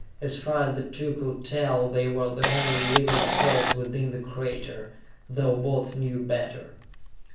As far as the two could tell they were the only living souls within the crater, though both knew better.